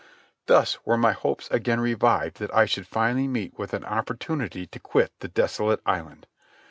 Thus were my hopes again revived that I should finally meet with an opportunity to quit the desolate island.